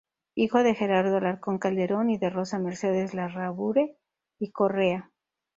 Hijo de Gerardo Alarco Calderón y de Rosa Mercedes Larrabure y Correa.